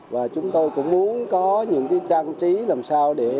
và chúng tôi cũng muốn có những trang trí làm sao để